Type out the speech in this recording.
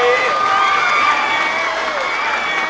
เมื่อสักครู่นี้ถูกต้องทั้งหมด